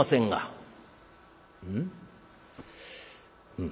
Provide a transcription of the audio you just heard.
「うん？